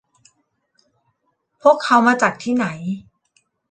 พวกเค้ามาจากที่ไหน